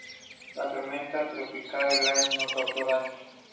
La tormenta tropical Grace no causó daños.